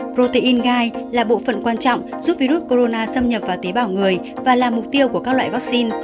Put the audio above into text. protein gai là bộ phận quan trọng giúp virus corona xâm nhập vào tế bào người và là mục tiêu của các loại vaccine